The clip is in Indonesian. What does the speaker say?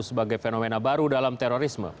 sebagai fenomena baru dalam terorisme